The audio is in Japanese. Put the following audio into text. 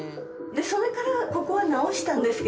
それからここは直したんですけど。